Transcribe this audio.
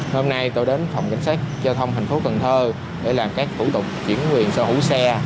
hôm nay tôi đến phòng cảnh sát giao thông tp cn để làm các thủ tục chuyển quyền sở hữu xe